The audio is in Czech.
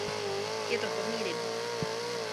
Je to chovný rybník.